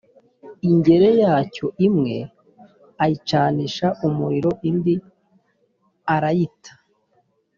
ingere yacyo imwe ayicanisha umuriro indi arayita.